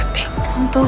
本当？